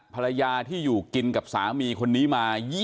ภรรยาที่อยู่กินกับสามีคนนี้มา